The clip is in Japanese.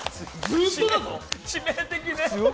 致命的ね。